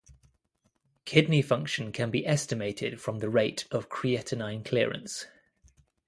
Kidney function can be estimated from the rate of creatinine clearance.